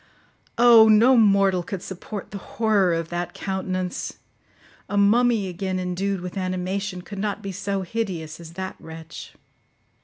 Oh! No mortal could support the horror of that countenance. A mummy again endued with animation could not be so hideous as that wretch.